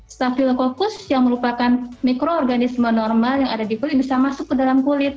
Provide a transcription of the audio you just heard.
staffylococcus yang merupakan mikroorganisme normal yang ada di kulit bisa masuk ke dalam kulit